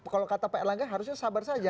kalau kata pak erlangga harusnya sabar saja